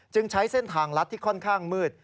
ใช้เส้นทางลัดที่ค่อนข้างมืด